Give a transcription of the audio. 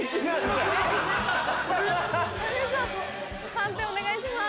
判定お願いします。